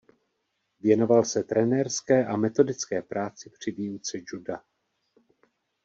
Věnoval se trenérské a metodické práci při výuce juda.